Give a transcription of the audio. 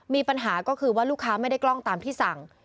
มีปัญหาก็คือว่าลูกค้าไม่ได้กล้องตามที่สั่ง